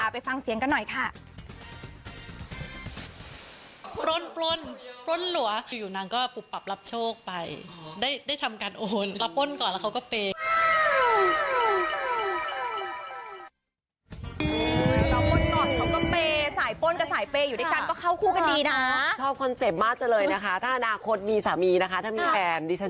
ไปฟังเสียงกันหน่อยค่ะ